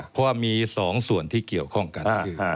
เพราะว่ามี๒ส่วนที่เกี่ยวข้องกัน